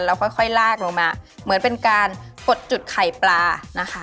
แล้วค่อยลากลงมาเหมือนเป็นการกดจุดไข่ปลานะคะ